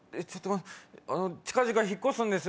近々引っ越すんです。